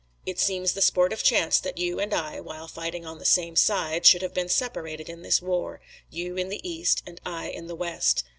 It seems the sport of chance that you and I, while fighting on the same side, should have been separated in this war, you in the East and I in the West.